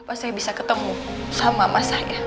pas saya bisa ketemu sama masanya